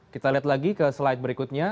kita lihat lagi ke slide berikutnya